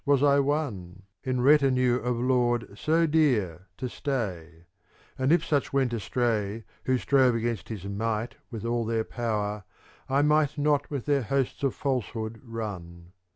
184 CANZONIERE In retinue of lord so dear to stay; And if such went astray Who strove against his might with all their power, I might not with their hosts of falsehood run.